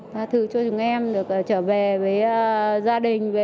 tha thư cho chúng em được trở về với gia đình